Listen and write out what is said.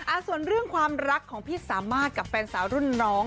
ส่วนเรื่องความรักของพี่สามารถกับแฟนสาวรุ่นน้อง